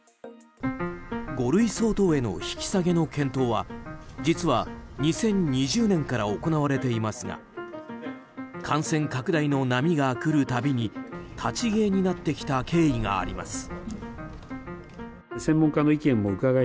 五類相当へ引き下げの検討は実は２０２０年から行われていますが感染拡大の波が来るたびに立ち消えになってきた経緯があります。